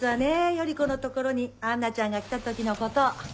頼子のところに杏奈ちゃんが来た時のことを。